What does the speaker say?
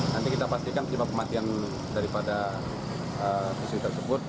nanti kita pastikan tiba tiba pematian daripada fisik tersebut